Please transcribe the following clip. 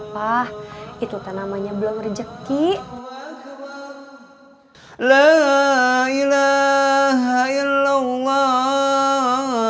pak itu namanya belum rezeki la ilahaillallah